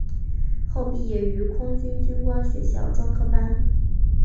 后毕业于空军军官学校专科班。